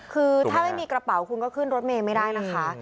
คือถ้าไม่มีกระเป๋าคุณก็ขึ้นรถเมย์ไม่ได้นะคะ